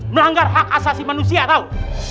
melanggar hak asasi manusia tau